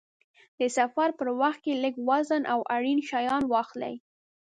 د سفر په وخت کې لږ وزن او اړین شیان واخلئ.